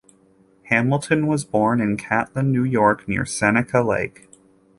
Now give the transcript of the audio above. Hamilton was born in Catlin, New York, near Seneca Lake.